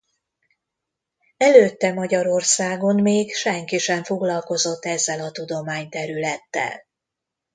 Előtte Magyarországon még senki sem foglalkozott ezzel a tudományterülettel.